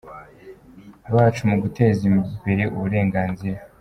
bacu mu guteza imbere uburenganzira.